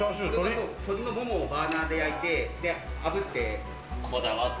鶏のモモをバーナーで焼いて、炙って。